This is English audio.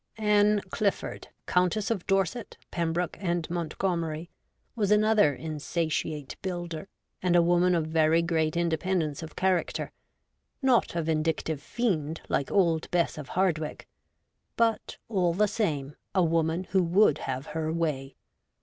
Ann Clifford, Countess of Dorset, Pembroke, and Montgomery, was another insatiate builder, and a woman of very great independence of character ; not a vindictive fiend, like old Bess of Hardwicke, but, all the same, a woman who would have her way.